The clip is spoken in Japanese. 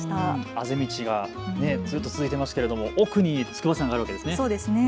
あぜ道がずっと続いていますけれど奥に筑波山があるわけですね。